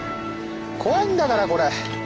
怖いんだからこれ。